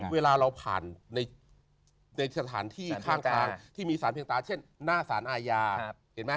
เวลาเราผ่านในสถานที่ข้างทางที่มีสารเพียงตาเช่นหน้าสารอาญาเห็นไหม